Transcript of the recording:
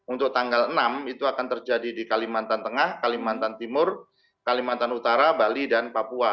untuk tanggal enam itu akan terjadi di kalimantan tengah kalimantan timur kalimantan utara bali dan papua